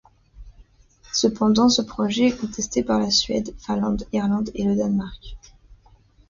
Cependant, ce projet est contesté par la Suède, Finlande, l’Irlande et le Danemark.